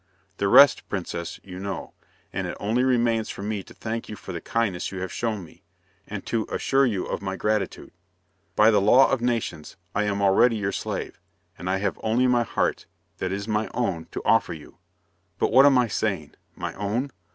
"The rest, Princess, you know; and it only remains for me to thank you for the kindness you have shown me, and to assure you of my gratitude. By the law of nations, I am already your slave, and I have only my heart, that is my own, to offer you. But what am I saying? My own?